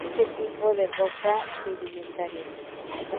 Es un tipo de roca sedimentaria.